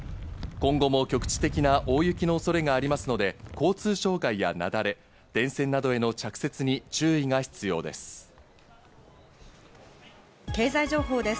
今後も局地的な大雪の恐れがありますので、交通障害やなだれ、電線などへの着雪に注意が必要です。